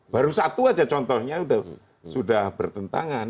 baru satu aja contohnya sudah bertentangan